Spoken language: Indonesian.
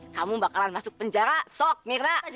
kamu bakalan masuk penjara sok mira